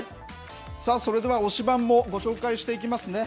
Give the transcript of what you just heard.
さあそれでは推しバン！もご紹介していきますね。